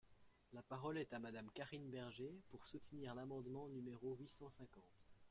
La parole est à Madame Karine Berger, pour soutenir l’amendement numéro huit cent cinquante.